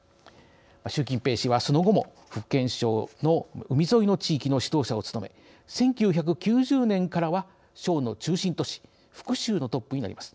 習近平氏はその後も福建省の海沿いの地域の指導者を務め１９９０年からは省の中心都市福州のトップになります。